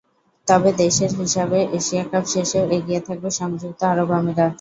তবে দেশের হিসাবে এশিয়া কাপ শেষেও এগিয়ে থাকবে সংযুক্ত আরব আমিরাত।